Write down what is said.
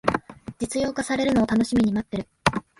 実用化されるのを楽しみに待ってる